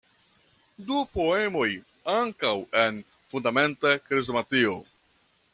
Du poemoj ankaŭ en "Fundamenta Krestomatio".